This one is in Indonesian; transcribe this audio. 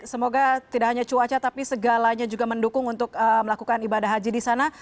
semoga tidak hanya cuaca tapi segalanya juga mendukung untuk melakukan ibadah haji di sana